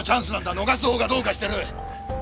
逃すほうがどうかしてる！